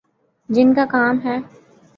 جن کا کام ہے۔